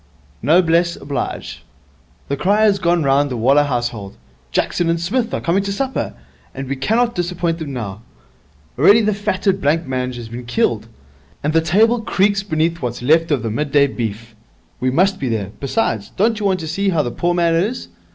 'Noblesse oblige. The cry has gone round the Waller household, "Jackson and Psmith are coming to supper," and we cannot disappoint them now. Already the fatted blanc mange has been killed, and the table creaks beneath what's left of the midday beef. We must be there; besides, don't you want to see how the poor man is?